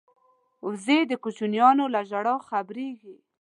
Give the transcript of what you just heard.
وزې د کوچنیانو له ژړا خبریږي